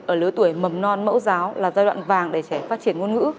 ở lứa tuổi mầm non mẫu giáo là giai đoạn vàng để trẻ phát triển ngôn ngữ